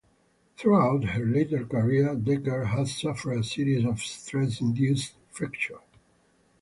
Throughout her later career, Decker had suffered a series of stress induced fractures.